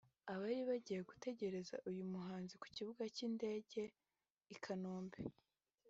abari bagiye gutegereza uyu muhanzi ku kibuga cy’Indege i Kanombe